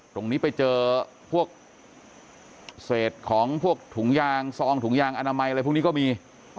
ไปเจอพวกเศษของพวกถุงยางซองถุงยางอนามัยอะไรพวกนี้ก็มี